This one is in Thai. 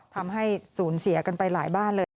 ทำให้สูญเสียกันไปหลายบ้านเลย